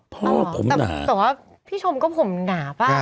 แต่ว่าพี่ชมก็ผมหนาป่ะ